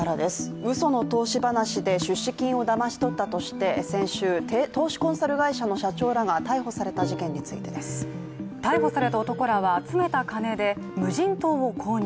うその投資話で出資金をだまし取ったとして先週、投資コンサル会社の社長らが逮捕された事件についてです。逮捕された男らは集めた金で無人島を購入。